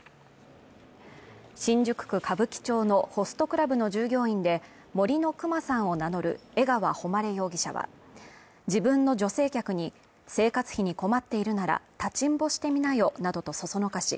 新宿区歌舞伎町のホストクラブの従業員で森のくまさんを名乗る江川誉容疑者は、自分の女性客に生活費に困っているなら、立ちんぼしてみなよなどとそそのかし